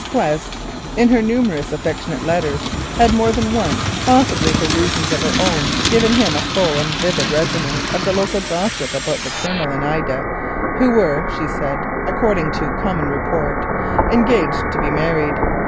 Quest, in her numerous affectionate letters, had more than once, possibly for reasons of her own, given him a full and vivid resume of the local gossip about the Colonel and Ida, who were, she said, according to common report, engaged to be married.